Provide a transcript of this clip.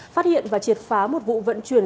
phát hiện và triệt phá một vụ vận chuyển